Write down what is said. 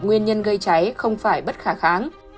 nguyên nhân gây cháy không phải bất khả kháng